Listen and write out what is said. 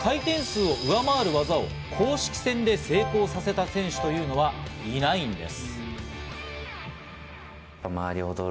これまでこの回転数を上回る技を公式戦で成功させた選手というのはいないんです。